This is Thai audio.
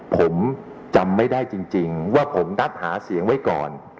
ผมจำไม่ได้จริงว่าผมนัดหาเสียงไว้ก่อน